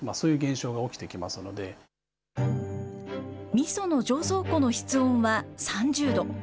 みその醸造庫の室温は３０度。